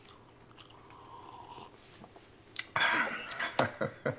ハハハハ。